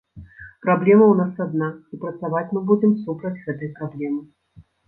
Праблема ў нас адна і працаваць мы будзем супраць гэтай праблемы.